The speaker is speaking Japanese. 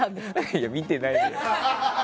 いや、見てないけど。